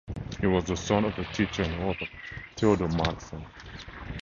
He was the son of the teacher and author Theodor Madsen.